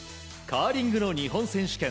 カーリングの日本選手権。